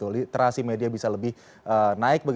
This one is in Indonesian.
literasi media bisa lebih naik